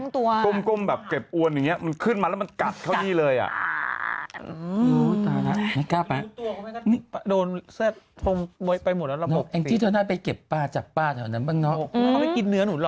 แต่ที่แบบที่จะไปสู้ยังไงคือกำลังแบบ